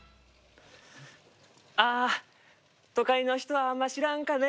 あぁ都会の人はあんま知らんかね。